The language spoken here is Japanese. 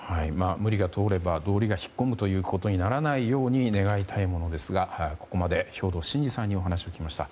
無理が通れば道理が引っ込むということにならないように願いたいものですがここまで兵頭慎治さんにお話を聞きました。